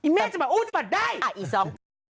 ไอ้แม่จะมาอู้จะปัดได้อ่ะไอ้ซ้อง